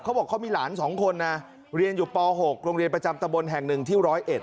เขามีหลาน๒คนเรียนอยู่ป๖โรงเรียนประจำตะบลแห่ง๑ที่๑๐๑